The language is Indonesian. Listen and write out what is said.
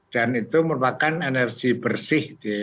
dan itu merupakan energi bersih gitu ya